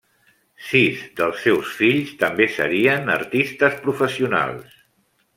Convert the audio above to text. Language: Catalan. Sis dels seus fills també serien artistes professionals.